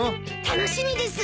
楽しみです。